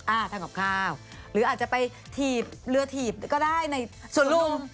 ทำกับข้าวหรืออาจจะไปถีบเรือถีบก็ได้ในส่วนลุม